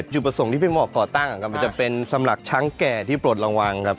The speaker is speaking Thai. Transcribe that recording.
จุดประสงค์ที่เป็นเหมาะก่อตั้งมันจะเป็นสำหรับช้างแก่ที่ปลดระวังครับ